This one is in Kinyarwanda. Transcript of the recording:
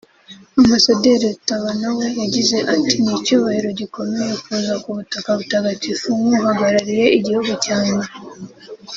Ambasaderi Rutabana we yagize ati “Ni icyubahiro gikomeye kuza ku butaka butagatifu nk’uhagarariye igihugu cyanjye